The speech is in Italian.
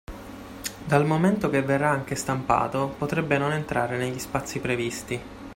Dal momento che verrà anche stampato potrebbe non entrare negli spazi prevesti